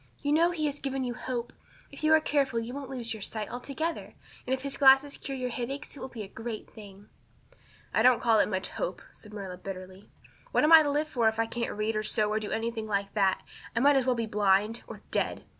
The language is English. You know he has given you hope. If you are careful you won't lose your sight altogether; and if his glasses cure your headaches it will be a great thing." "I don't call it much hope," said Marilla bitterly. "What am I to live for if I can't read or sew or do anything like that? I might as well be blind or dead.